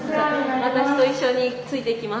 私と一緒についてきます。